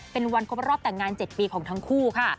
เป็นวันครบรอบแต่งงาน๗ปีของทั้งคู่ค่ะ